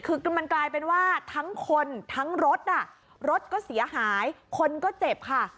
คือมันกลายเป็นว่าทั้งคนทั้งรถรถก็เสียหายคนก็เจ็บค่ะ